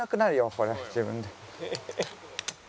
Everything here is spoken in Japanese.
これ自分で。